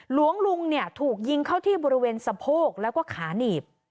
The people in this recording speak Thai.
หลวงลุงเนี่ยถูกยิงเข้าที่บริเวณสะโพกแล้วก็ขาหนีบ